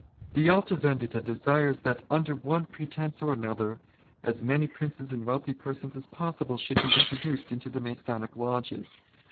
" The Alta Vendita desires, that under one pretence or " another, as many princes and wealthy persons as possible " should be introduced into the Masonic lodges.